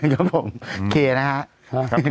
ก็เป็นเรียบร้อยมากนะครับ